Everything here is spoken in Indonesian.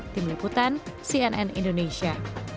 tim liputan cnn indonesia